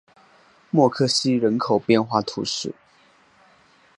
默克西人口变化图示